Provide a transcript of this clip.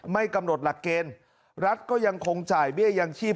ไม่กำหนดหลักเกณฑ์รัฐก็ยังคงจ่ายเบี้ยยังชีพ